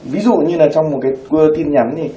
ví dụ như là trong một cái tin nhắn